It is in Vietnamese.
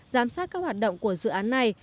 giám sát các hoạt động của dự án này